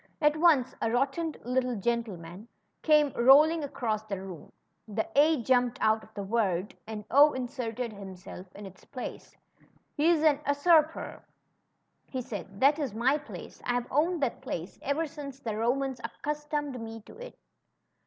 At once a rotund little gentleman came rolling across the room ; the A jumped out of the word, and 0 in serted himself in its place. ^^He's a usurper," he said. That is my place. I've owned that place ever since the Romans accustomed me to it," CHRISTOPHER'S ''AT HOME.